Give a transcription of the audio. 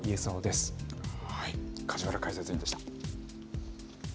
梶原解説委員でした。